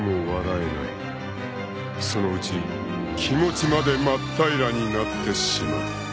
［そのうち気持ちまで真っ平らになってしまう］